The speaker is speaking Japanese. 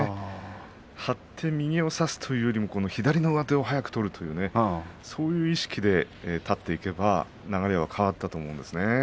張って右を差すというよりも左の上手を早く取るそういう意識で取っていけば流れが変わったと思いますね。